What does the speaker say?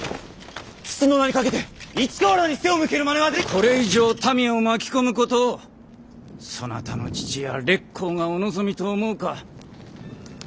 これ以上民を巻き込むことをそなたの父や烈公がお望みと思うか。